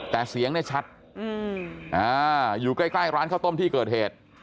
แต่เสียงเนี่ยชัดอยู่ใกล้ร้านข้าวต้มที่เกิดเหตุ